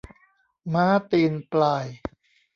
ม้าตีนปลาย